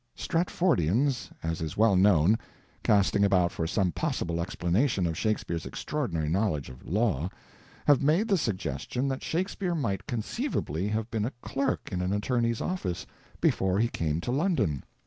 Stratfordians, as is well known, casting about for some possible explanation of Shakespeare's extraordinary knowledge of law, have made the suggestion that Shakespeare might, conceivably, have been a clerk in an attorney's office before he came to London.